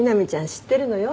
知ってるのよ。